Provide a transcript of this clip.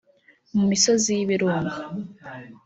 mu misozi y’ibirunga